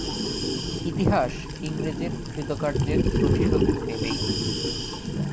ইতিহাস ইংরেজের কৃতকার্যের প্রতিশোধ নেবেই।